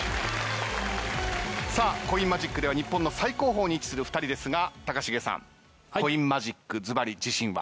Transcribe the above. さあコインマジックでは日本の最高峰に位置する２人ですが高重さんコインマジックずばり自信は？